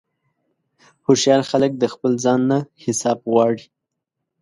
هوښیار خلک د خپل ځان نه حساب غواړي.